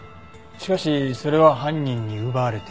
しかしそれは犯人に奪われてしまった。